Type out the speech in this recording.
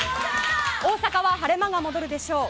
大阪は晴れ間が戻るでしょう。